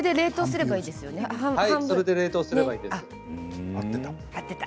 それで冷凍すればいいんですか？